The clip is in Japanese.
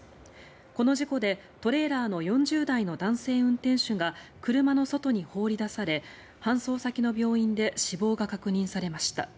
この事故でトレーラーの４０代の男性運転手が車の外に放り出され搬送先の病院で死亡が確認されました。